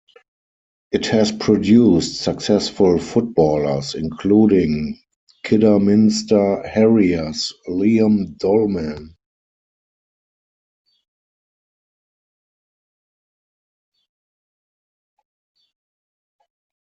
It has produced successful footballers, including Kidderminster Harriers' Liam Dolman.